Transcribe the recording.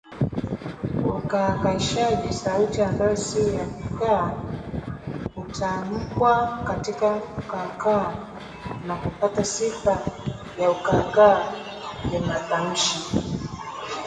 Ukaakaishaji -Sauti ambayo si ya kaakaa hutamkwa katika kaakaa na kupata sifa ya ukaakaa kimatamshi